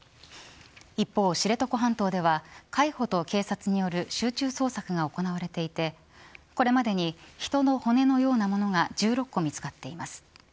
一方、知床半島では海保と警察による集中捜索が行われていてこれまでに人の骨のようなものが１６個見つかっています。